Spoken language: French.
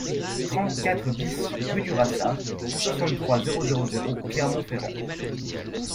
trente-quatre BIS rue du Rassat, soixante-trois, zéro zéro zéro, Clermont-Ferrand